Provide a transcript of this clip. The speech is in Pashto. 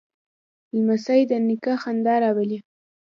لمسی د نیکه خندا راولي.